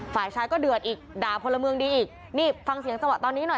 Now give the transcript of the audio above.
ฝ่ายชายก็เดือดอีกด่าพลเมืองดีอีกนี่ฟังเสียงจังหวะตอนนี้หน่อย